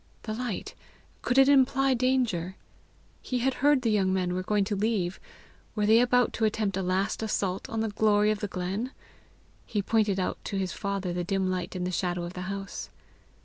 The light! could it imply danger? He had heard the young men were going to leave: were they about to attempt a last assault on the glory of the glen? He pointed out to his father the dim light in the shadow of the house.